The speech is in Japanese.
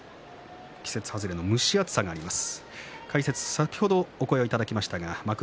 季節外れの蒸し暑さがあります。